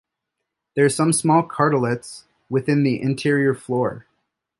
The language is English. There are some small craterlets within the interior floor.